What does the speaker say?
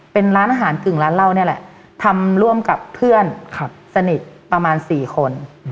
เป็นร้านอาหารกึ่งร้านเหล้านี่แหละทำร่วมกับเพื่อนสนิทประมาณ๔คน